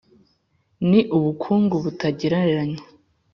ni ubukungu butagereranywa.